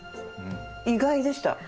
意外でした。